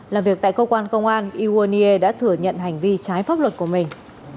là việc tại cơ quan công an iwonie đã thử nhận hành vi trái pháp luật của mình